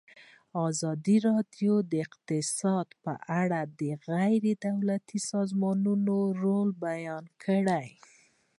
ازادي راډیو د اقتصاد په اړه د غیر دولتي سازمانونو رول بیان کړی.